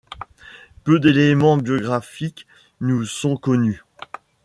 Peu d'éléments biographiques nous sont connus.